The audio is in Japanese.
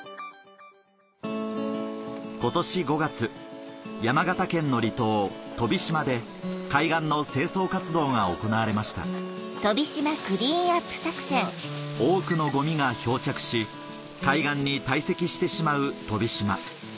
今年５月山形県の離島飛島で海岸の清掃活動が行われました多くのゴミが漂着し海岸に堆積してしまう飛島